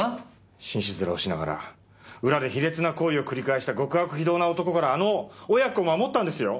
紳士面をしながら裏で卑劣な行為を繰り返した極悪非道な男からあの親子を守ったんですよ！